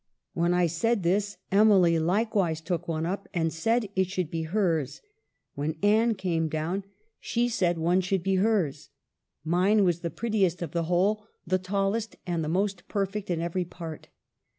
When I had said this, Emily likewise took one up and said it should be hers ; when Anne came down, she said one 58 EMILY BRONTE. should be hers. Mine was the prettiest of the whole, the tallest and the most perfect in every part.